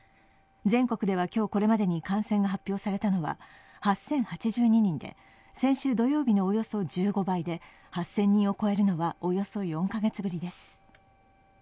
全国では今日これまでに感染が発表されたのは８０８２人で、先週土曜日のおよそ１５倍で、８０００人を超えるのはおよそ４カ月ぶりです。